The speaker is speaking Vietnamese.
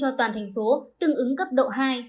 cho toàn thành phố tương ứng cấp độ hai